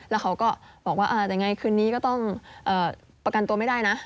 แล้วเขาก็บอกว่ายังไงคืนนี้ก็ต้องประกันตัวไม่ได้นะ